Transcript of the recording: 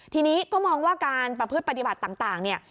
ทีนี้ก็มองว่าการประพฤติปฏิบัติต่างเนี่ย